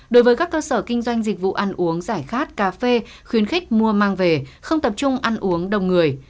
đối với các cơ sở kinh doanh dịch vụ ăn uống giải khát cà phê khuyến khích mua mang về không tập trung ăn uống đông người